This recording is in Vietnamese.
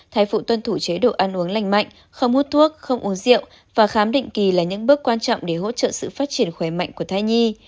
thai phụ tuân thủ chế độ ăn uống lành mạnh không hút thuốc không uống rượu và khám định kỳ là những bước quan trọng để hỗ trợ sự phát triển khỏe mạnh của thai nhi